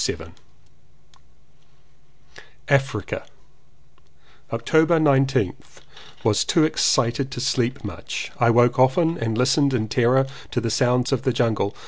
254 VII AFRICA October 19th. WAS TOO excited to sleep much. I woke often and listened in terror to the sounds of the jungle.